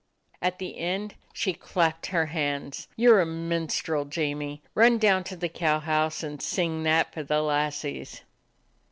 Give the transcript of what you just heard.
At the end she clapped her hands. "You 're a minstrel, Jamie. Run down to the cow house, and sing that for the lassies."